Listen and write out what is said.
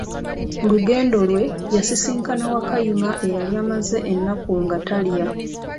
Ku lugendo lwe yasisinkana Wakayima eyali amaze ennaku nga talya.